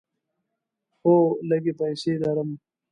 هو، لږې پیسې لرم